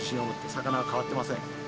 魚は変わってません。